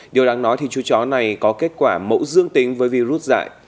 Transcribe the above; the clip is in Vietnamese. điều đáng nói thì chú chó này có kết quả mẫu dương tính với virus dại